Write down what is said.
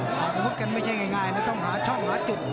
ครับเพียกเผ้าการไม่ใช่ง่ายมาต้องหาช่องหรือจุด